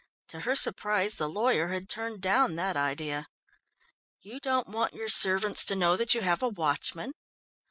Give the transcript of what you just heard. To her surprise the lawyer had turned down that idea. "You don't want your servants to know that you have a watchman."